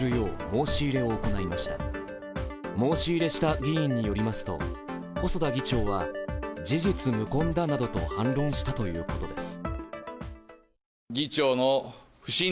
申し入れした議員によりますと細田議長は事実無根だなどと反論したということです。